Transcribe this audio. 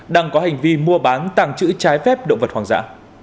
đang có hành vi mua bán tàng chữ trái phép động vật hoàng dã